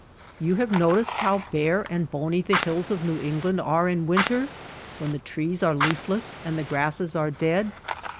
You have noticed how bare and bony the hills of New England are in winter when the trees are leafless and the grasses are dead